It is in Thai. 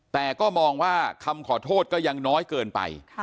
แต่ก็มองว่าคำขอโทษก็ยังน้อยเกินไป